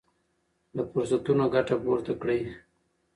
له فرصتونو ګټه پورته کړئ.